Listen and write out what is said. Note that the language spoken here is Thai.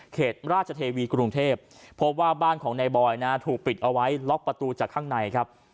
ราชเทวีกรุงเทพพบว่าบ้านของนายบอยนะถูกปิดเอาไว้ล็อกประตูจากข้างในครับ